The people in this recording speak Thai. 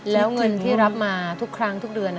แล้วเงินที่รับมาทุกครั้งทุกเดือน